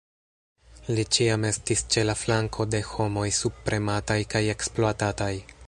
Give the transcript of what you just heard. Li ĉiam estis ĉe la flanko de homoj subpremataj kaj ekspluatataj.